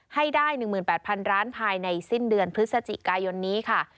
ให้ได้๑๘๐๐๐ล้านภายในสิ้นเดือนพฤศจิกายนนี้ค่ะ